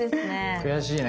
悔しいね。